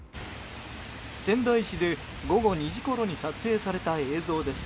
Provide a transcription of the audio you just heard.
仙台市で午後２時ごろに撮影された映像です。